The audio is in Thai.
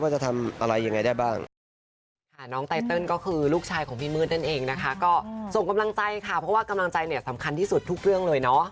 ว่าจะทำอะไรอย่างไรได้บ้าง